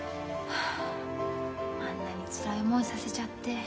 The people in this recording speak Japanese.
あんなにつらい思いさせちゃって。